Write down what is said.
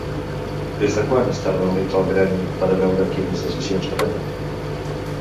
Des de quan està reunit el gremi per a veure quines decisions prenen?